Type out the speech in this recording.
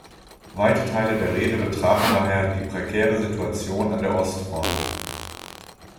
Weite Teile der Rede betrafen daher die prekäre Situation an der Ostfront.